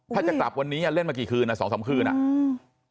ถ้าจะกลับวันนี้อ่ะเล่นมากี่คืนอ่ะสองสามคืนอ่ะอืม